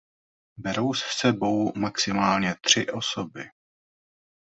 Berou s sebou maximálně tři osoby.